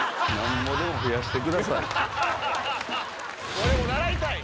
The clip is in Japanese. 俺も習いたい。